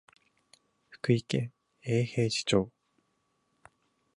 福井県永平寺町